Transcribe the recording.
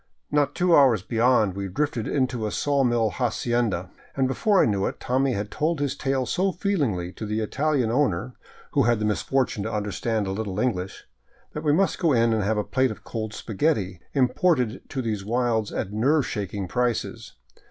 ..." Not two hours beyond we drifted into a saw mill hacienda, and be fore I knew it Tommy had told his tale so feelingly to the Italian owner, who had the misfortune to understand a little English, that we must go in and have a plate of cold spaghetti, imported to these wilds at nerve shaking prices.